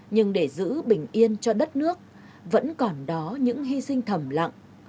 nhưng để giữ bình yên cho đất nước vẫn còn đó những hy sinh thầm lặng